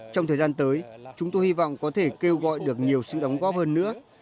trong thời gian tới chúng tôi hy vọng có thể kêu gọi được nhiều sự đóng góp hơn nữa